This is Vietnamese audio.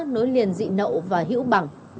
nối liền dị nậu và hữu bằng